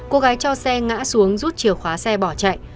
cô gái cho xe ngã xuống rút chìa khóa xe bỏ chạy